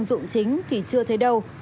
dụng chính thì chưa thấy đâu